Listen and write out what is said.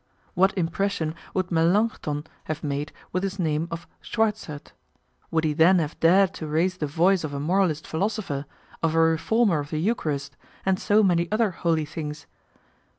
What impression would Melanchthon have made with his name of Schwarzerd? Would he then have dared to raise the voice of a moralist philosopher, of a reformer of the Eucharist, and so many other holy things?